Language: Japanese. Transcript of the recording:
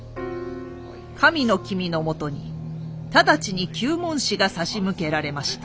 神の君のもとに直ちに糾問使が差し向けられました。